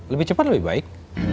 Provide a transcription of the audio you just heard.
lebih cepat lebih baik